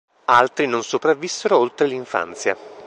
Altri non sopravvissero oltre l'infanzia.